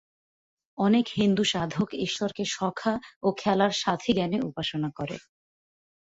অনেক হিন্দুসাধক ঈশ্বরকে সখা ও খেলার সাথী জ্ঞানে উপাসনা করে।